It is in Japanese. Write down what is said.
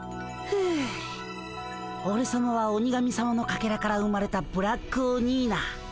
ふうおれさまは鬼神さまのかけらから生まれたブラックオニーナ。